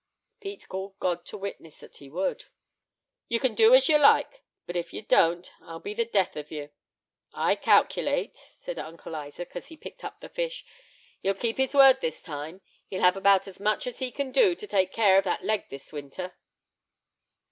Pete called God to witness that he would. "You can do as you like; but if you don't, I'll be the death of you. I calculate," said Uncle Isaac, as he picked up his fish, "he'll keep his word this time; he'll have about as much as he can do to take care of that leg this winter."